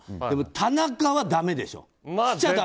でも田中はだめでしょ。